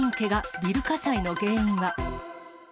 ビル火災の原因は。